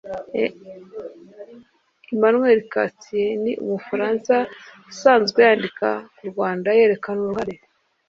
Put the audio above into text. emmanuel cattier ni umufaransa usanzwe yandika ku rwanda yerekana uruhare